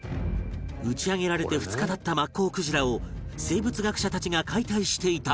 打ち上げられて２日経ったマッコウクジラを生物学者たちが解体していた